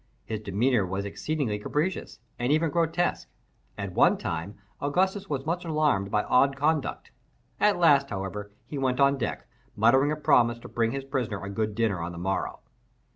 His demeanour was exceedingly capricious, and even grotesque. At one time Augustus was much alarmed by odd conduct. At last, however, he went on deck, muttering a promise to bring his prisoner a good dinner on the morrow.